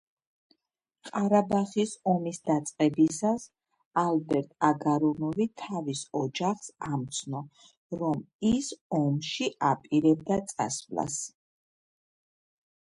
ყარაბაღის ომის დაწყებისას, ალბერტ აგარუნოვი თავის ოჯახს ამცნო, რომ ის ომში აპირებდა წასვლას.